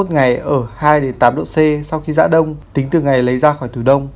ba mươi một ngày ở hai tám độ c sau khi giã đông tính từ ngày lấy ra khỏi tủ đông